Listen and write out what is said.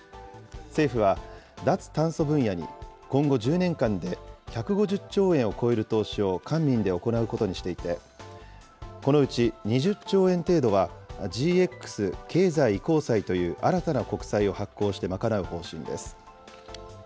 政府は、脱炭素分野に今後１０年間で１５０兆円を超える投資を官民で行うことにしていて、このうち２０兆円程度は、ＧＸ経済移行債という新たな国債を発行して賄う方針です。